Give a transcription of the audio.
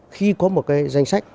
khi có một cái danh sách